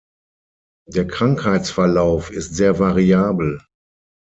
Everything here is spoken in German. Der Krankheitsverlauf ist sehr variabel.